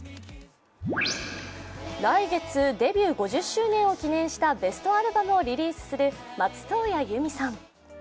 来月デビュー５０周年を記念したベストアルバムをリリースする松任谷由実さん。